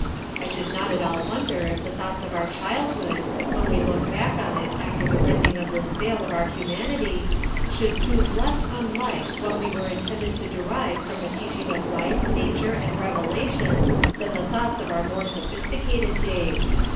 I should not at all wonder if the thoughts of our childhood, when we look back on it after the rending of this vail of our humanity, should prove less unlike what we were intended to derive from the teaching of life, nature, and revelation, than the thoughts of our more sophisticated days."